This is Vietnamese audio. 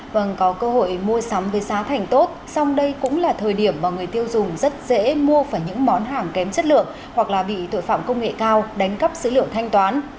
vâng có cơ hội mua sắm với giá thành tốt xong đây cũng là thời điểm mà người tiêu dùng rất dễ mua phải những món hàng kém chất lượng hoặc là bị tội phạm công nghệ cao đánh cắp dữ liệu thanh toán